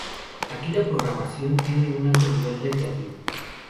Aquí la programación tiene un alto nivel recreativo.